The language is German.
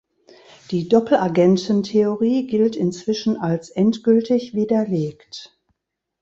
Die Doppelagenten-Theorie gilt inzwischen als endgültig widerlegt.